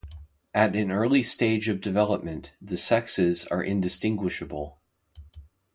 At an early stage of development the sexes are indistinguishable.